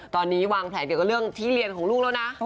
ตอนนี้วางแผนเกี่ยวกับเรื่องที่เรียนของลูกแล้วนะ